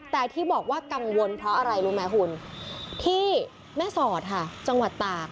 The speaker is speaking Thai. แต่ที่บอกว่ากังวลเพราะอะไรรู้ไหมคุณที่แม่สอดค่ะจังหวัดตาก